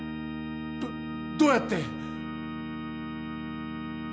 どどうやって？